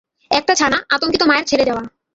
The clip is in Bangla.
একটা ছানা, আতঙ্কিত মায়ের ছেড়ে যাওয়া।